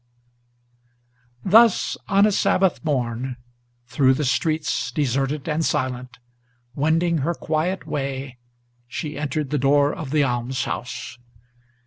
Thus, on a Sabbath morn, through the streets, deserted and silent, Wending her quiet way, she entered the door of the almshouse.